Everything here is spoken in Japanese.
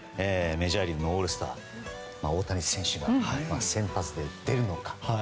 メジャーリーグのオールスター大谷選手が先発で出るのか。